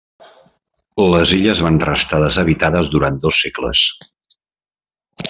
Les illes van restar deshabitades durant dos segles.